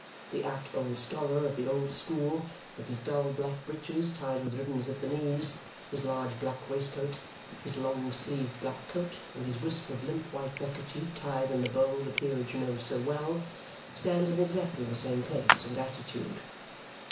The apt old scholar of the old school, with his dull black breeches tied with ribbons at the knees, his large black waistcoat, his long sleeved black coat, and his wisp of limp white neckerchief tied in the bow the peerage knows so well, stands in exactly the same place and attitude.